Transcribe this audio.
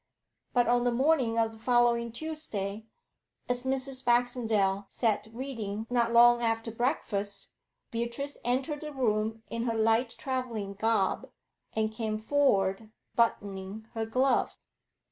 But on the morning of the following Tuesday, as Mrs. Baxendale sat reading not long after breakfast, Beatrice entered the room in her light travelling garb, and came forward, buttoning her glove.